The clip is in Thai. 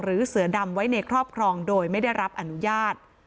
เสือดำไว้ในครอบครองโดยไม่ได้รับอนุญาต